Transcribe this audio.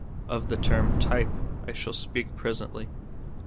Of the term type I shall speak pre sently.